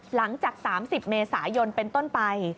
หลังจาก๓๐เมษายนเป็นต้นไป